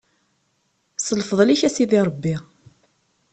S lfeḍl-ik a Sidi Ṛebbi.